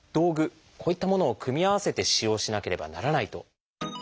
こういったものを組み合わせて使用しなければならないと。